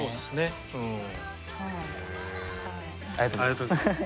ありがとうございます。